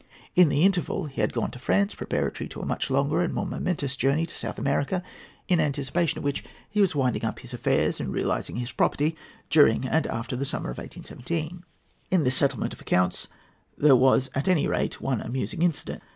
In the interval he had gone to France, preparatory to a much longer and more momentous journey to South America, in anticipation of which he was winding up his affairs and realizing his property during and after the summer of 1817. In this settlement of accounts there was at any rate one amusing incident.